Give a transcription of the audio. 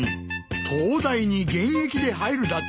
東大に現役で入るだと？